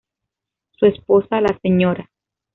Su esposa la Sra.